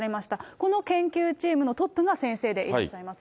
この研究チームのトップが先生でいらっしゃいます。